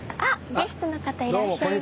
ゲストの方いらっしゃいました。